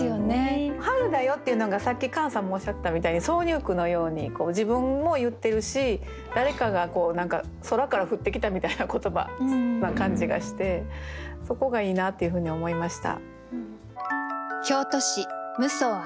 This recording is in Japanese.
「春だよ」っていうのがさっきカンさんもおっしゃってたみたいに挿入句のように自分も言ってるし誰かがこう何か空から降ってきたみたいな言葉な感じがしてそこがいいなっていうふうに思いました。